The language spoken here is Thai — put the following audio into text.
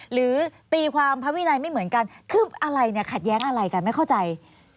หรือตีความพระวินัยไม่เหมือนกันคืออะไรเนี่ยขัดแย้งอะไรกันไม่เข้าใจ